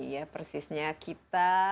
ya persisnya kita